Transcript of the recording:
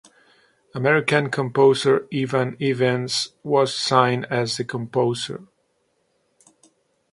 American composer Evan Evans was signed as the composer.